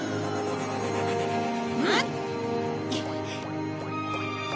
うん！